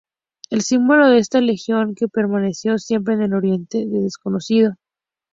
El símbolo de esta legión que permaneció siempre en el Oriente es desconocido.